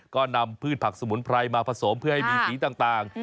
ก็นำพืชผักสมุนไพรมาผสมเพื่อให้มีสีต่าง